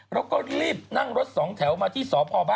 แล้วก็รีบนั่งรถ๒แถวมาที่สพบ